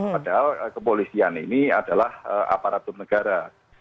padahal kepolisian ini adalah aparatur negara